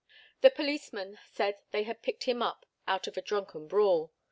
The policemen said they had picked him up out of a drunken brawl.